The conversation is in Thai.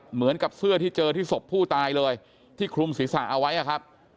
เหมือนกับเสื้อที่เจอที่ศพผู้ตายเลยที่คลุมศีรษะเอาไว้อะครับ